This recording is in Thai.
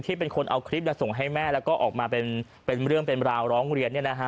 เป็นคนเอาคลิปส่งให้แม่แล้วก็ออกมาเป็นเรื่องเป็นราวร้องเรียน